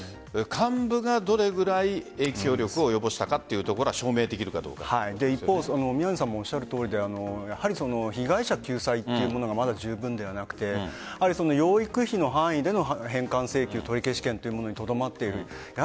幹部がどれぐらい影響力を及ぼしたかというところ一方、宮根さんもおっしゃるとおりで被害者救済というものが十分ではなくて養育費の範囲での返還請求取消権というものにとどまっている。